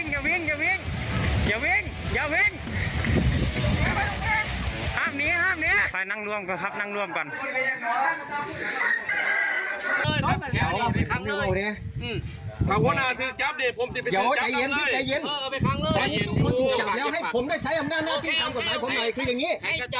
ย้อถอยเย็นตอนนี้ส่วนจุดกัดแล้วให้ผมได้ใช้อำนาจหน้าติดตามของสายผมหน่อยคือยังงี้